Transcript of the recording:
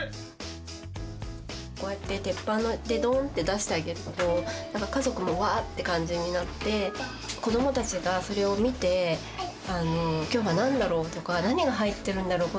こうやって鉄板でドーンって出してあげると何か家族もわあって感じになって子どもたちがそれを見て今日は何だろう？とか何が入ってるんだろう